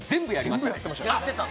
やってた！